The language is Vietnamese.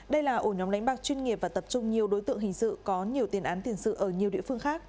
đây là ổ nhóm đánh bạc chuyên nghiệp và tập trung nhiều đối tượng hình sự có nhiều tiền án tiền sự ở nhiều địa phương khác